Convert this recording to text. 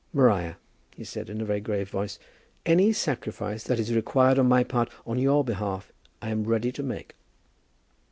"Maria," he said, in a very grave voice, "any sacrifice that is required on my part on your behalf I am ready to make."